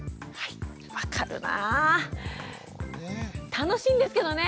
楽しいんですけどね。